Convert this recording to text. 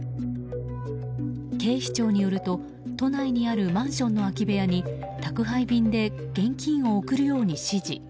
警視庁によると、都内にあるマンションの空き部屋の宅配便で現金を送るように指示。